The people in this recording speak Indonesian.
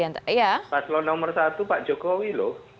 paslon nomor satu pak jokowi loh